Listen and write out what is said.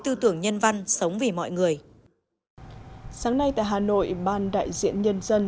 tư tưởng nhân văn sống vì mọi người sáng nay tại hà nội ban đại diện nhân dân